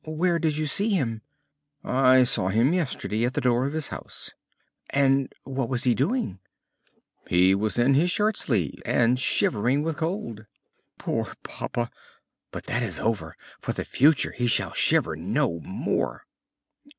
"Where did you see him?" "I saw him yesterday at the door of his house." "And what was he doing?" "He was in his shirt sleeves and shivering with cold." "Poor papa! But that is over; for the future he shall shiver no more!"